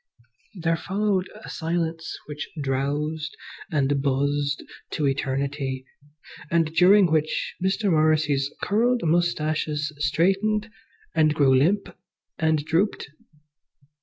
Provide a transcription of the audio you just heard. There followed a silence which drowsed and buzzed to eternity, and during which Mr. Morrissy's curled moustaches straightened and grew limp and drooped.